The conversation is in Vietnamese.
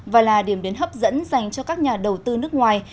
và là điểm đến hấp dẫn dành cho các nhà đầu tư nước ngoài